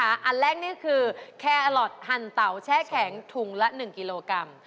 อันแรกนี่คือแครอทหั่นเตาแช่แข็งถุงละ๑กิโลกรัม